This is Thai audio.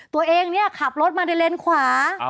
ตัวเองเนี่ยขับรถมาในเลนขวา